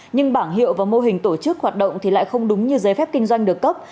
nhưng bảng hiệu và mô hình tổ chức hoạt động thì lại không đúng như giấy phép kinh doanh được cấp